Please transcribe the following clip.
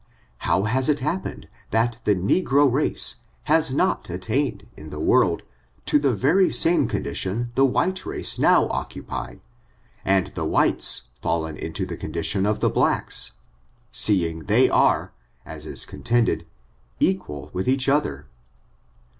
How has it happened that the negro race has not attained in the world to the very same condition the white race now occupy, and the whites fallen into the condition of the blacks, seeing they are, as is contended, equal with each other?